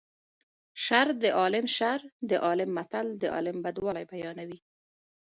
شر د عالیم شر د عالیم متل د عالم بدوالی بیانوي